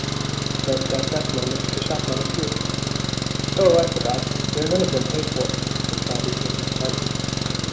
But at that moment the shopman appeared. "Oh, I forgot. They're none of them paid for," said Bobby, looking frightened.